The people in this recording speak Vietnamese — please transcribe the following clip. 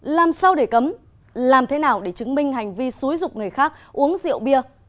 làm sao để cấm làm thế nào để chứng minh hành vi xúi dục người khác uống rượu bia